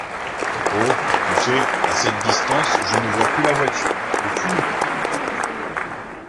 Oh, tu sais, à cette distance je ne vois que la voiture, et floue, encore.